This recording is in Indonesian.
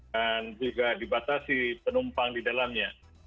juga dibatasi penumpang di dalamnya